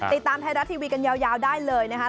ติดตามไทยรัฐทีวีกันยาวได้เลยนะคะ